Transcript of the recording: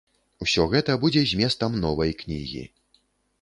Усё гэта будзе зместам новай кнігі.